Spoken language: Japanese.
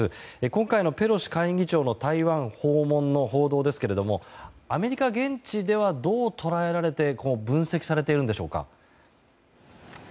今回のペロシ下院議長の台湾訪問の報道ですがアメリカ現地ではどう捉えらえれて分析されているのでしょうか。